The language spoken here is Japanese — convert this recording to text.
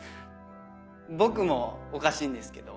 僕もおかしいんですけど。